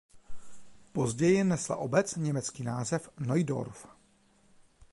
Později nesla obec německý název Neudorf.